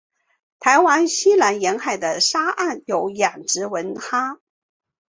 台湾西南沿海的沙岸有养殖文蛤。